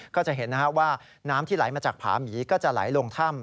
ก็จะเห็นว่าน้ำที่ไหลมาจากผาหมีก็จะไหลลงถ้ำ